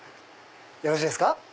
よろしいですか。